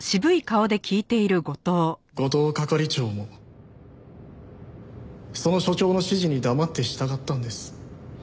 後藤係長もその署長の指示に黙って従ったんです。